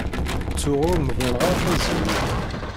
Ttuɣ ur mdileɣ ara tazewwut.